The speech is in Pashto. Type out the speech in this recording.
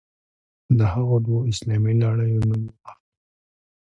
د هغو دوو اسلامي لړیو نوم واخلئ.